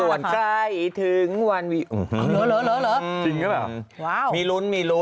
ส่วนใกล้ถึงวันวิ